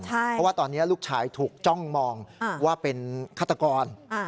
เพราะว่าตอนนี้ลูกชายถูกจ้องมองว่าเป็นฆาตกร